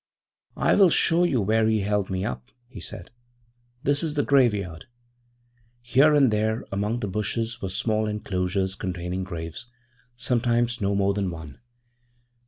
'I will show you where he held me up,' he said. 'This is the graveyard.' < 12 > Here and there among the bushes were small enclosures containing graves, sometimes no more than one.